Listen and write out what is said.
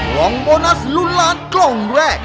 กล่องโบนัสลุ้นล้านกล่องแรก